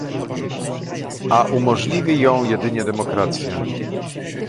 A umożliwi ją jedynie demokracja